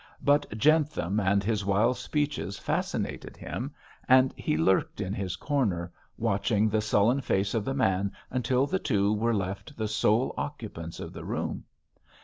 But Jentham and his wild speeches fascinated him, and he lurked in his corner, watching the sullen face of the man until the two were left the sole occupants of the room.